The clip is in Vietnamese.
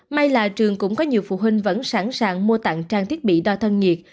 may là trường cũng có nhiều phụ huynh vẫn sẵn sàng mua tặng trang thiết bị đo thân nhiệt